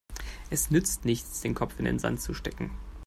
Es nützt nichts, den Kopf in den Sand zu stecken.